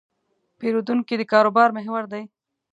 پیرودونکی د کاروبار محور دی.